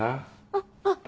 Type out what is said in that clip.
あっ。